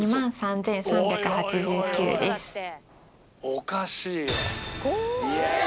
おかしいよ。